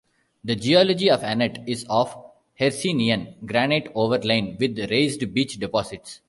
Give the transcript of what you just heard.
The geology of Annet is of Hercynian granite overlain with raised beach deposits.